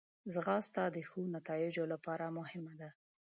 ځغاسته د ښو نتایجو لپاره مهمه ده